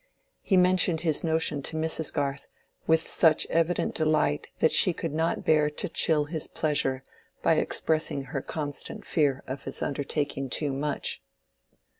He mentioned his notion to Mrs. Garth with such evident delight that she could not bear to chill his pleasure by expressing her constant fear of his undertaking too much.